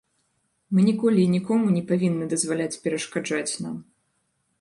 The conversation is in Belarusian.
Мы ніколі і нікому не павінны дазваляць перашкаджаць нам.